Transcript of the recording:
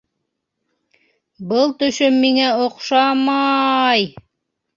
Был төшөм миңә оҡшама-ай!